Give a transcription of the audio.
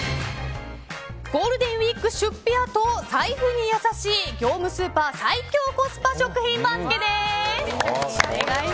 ゴールデンウィーク出費のあと財布に優しい業務スーパー最強コスパ食品番付です！